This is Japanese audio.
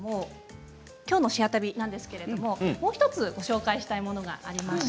きょうの「シェア旅」なんですがもう１つご紹介したいものがあります。